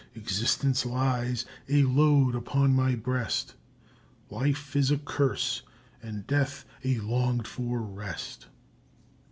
Existence lies a load upon my breast, Life is a curse, and death a longed for rest."